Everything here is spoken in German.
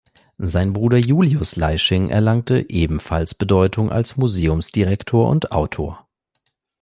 Sein Bruder Julius Leisching erlangte ebenfalls Bedeutung als Museumsdirektor und Autor.